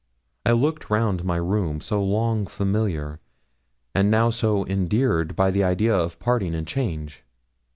I looked round my room, so long familiar, and now so endeared by the idea of parting and change.